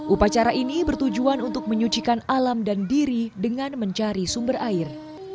upacara ini bertujuan untuk menyucikan alam dan diri dengan mencari sumber air